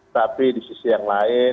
tapi di sisi yang lain